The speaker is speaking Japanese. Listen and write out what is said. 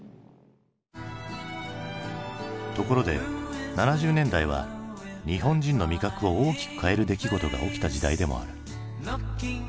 ところで７０年代は日本人の味覚を大きく変える出来事が起きた時代でもある。